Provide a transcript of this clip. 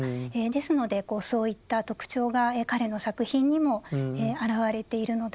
ですのでそういった特徴が彼の作品にもあらわれているのだと思います。